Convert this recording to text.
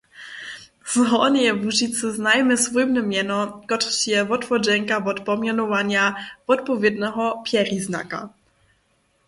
Z Hornjeje Łužicy znajemy swójbne mjeno, kotrež je wotwodźenka wot pomjenowanja wotpowědneho pjeriznaka.